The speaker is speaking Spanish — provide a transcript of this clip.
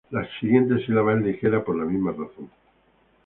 La siguiente sílaba es ligera por la misma razón.